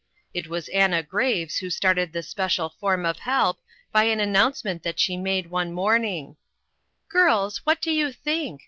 It was Anna Graves who started this special form of help, by an announcement that she made one morning ;" Girls, what do you think